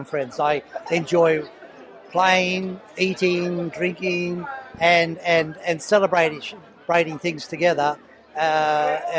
saya suka bermain makan minum dan merayakan hal hal bersama